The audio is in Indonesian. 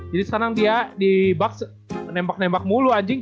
jadi sekarang dia di bucks nembak nembak mulu anjing